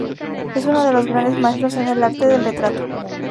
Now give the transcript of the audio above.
Es uno de los grandes maestros en el arte del retrato.